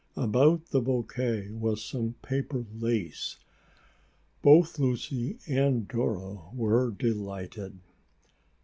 About the bouquet was some paper lace. Both Lucy and Dora were delighted.